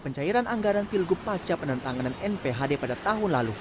pencairan anggaran pilgub pasca penentanganan nphd pada tahun lalu